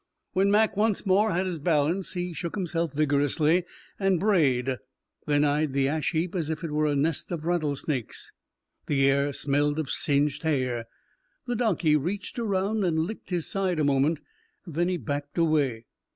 When Mac once had his balance, he shook himself vigorously and brayed, then eyed the ash heap as if it were a nest of rattlesnakes. The air smelled of singed hair. The donkey reached around and licked his side a moment, then he backed away.